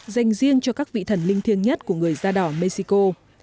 dành riêng cho các vị thần linh thiêng nhất của người da đỏ mexico